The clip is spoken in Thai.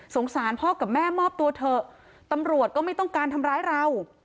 สารพ่อกับแม่มอบตัวเถอะตำรวจก็ไม่ต้องการทำร้ายเรา